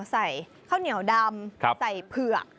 ใส่ข้าวเหนียวดำใส่เผือก